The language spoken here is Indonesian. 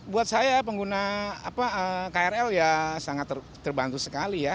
buat saya pengguna krl ya sangat terbantu sekali ya